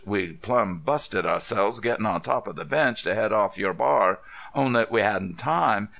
We plumb busted ourselves gettin' on top of the bench to head off your bar. Only we hadn't time.